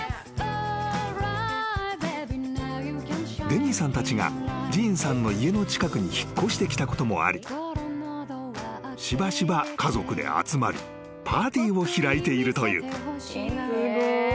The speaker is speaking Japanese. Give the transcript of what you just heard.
［デニーさんたちがジーンさんの家の近くに引っ越してきたこともありしばしば家族で集まりパーティーを開いているという］